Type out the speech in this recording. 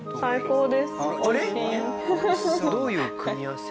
どういう組み合わせ？